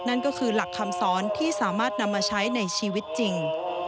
นั่นก็คือหลักคำสอนที่สามารถนำมาใช้ในชีวิตจริง